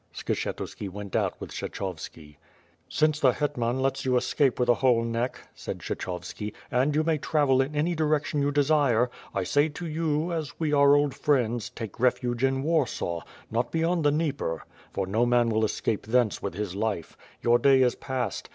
Skshetuski went out with Kshechovski. "Since the hetman lets you escape with a whole neck,'^ said Kshechovski, "and you may travel in any direction you desire, 1 say to you, as we are old friends, take refuge in Warsaw, not beyond the Dnieper, for no man will escape thence with his life. Your day is past.